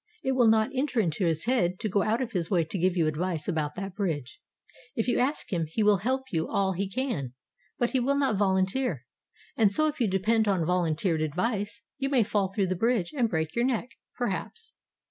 It will not enter into his head to go out of his way to give you advice about that bridge. If you ask him he will help you all he can, but he will not volunteer; and so if you depend on volunteered advice, you may fall through the bridge and break your neck, perhaps.